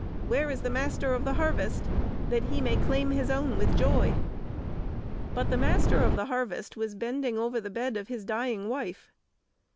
Where is the Master of the Harvest, that he may claim his own with joy?" But the Master of the Harvest was bending over the bed of his dying wife.